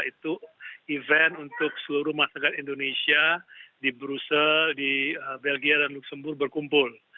itu event untuk seluruh masyarakat indonesia di brussel di belgia dan luxembour berkumpul